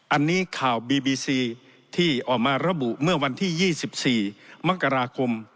อันนี้ข่าวบีบีซีที่ออกมาระบุเมื่อวันที่๒๔มกราคม